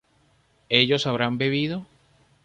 ¿ellos habrán bebido?